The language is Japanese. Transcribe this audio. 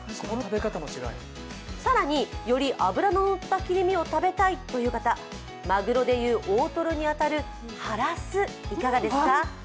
更に、より脂ののった切り身を食べたいという方、マグロでいう大トロに当たるハラス、いかがですか。